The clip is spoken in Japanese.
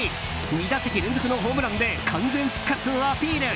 ２打席連続のホームランで完全復活をアピール。